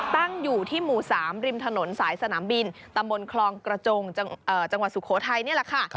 ตั้งอยู่ที่หมู่๓ริมถนนสายสนามบินตำบลคลองกระจงจังหวัดสุโขทัยนี่แหละค่ะ